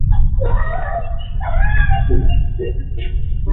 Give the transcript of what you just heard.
আপনি এমনটা বললে তো, অবশ্যই।